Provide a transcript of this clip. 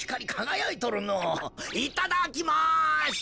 いただきます！